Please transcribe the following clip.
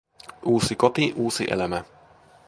Uusi koti, uusi elämä.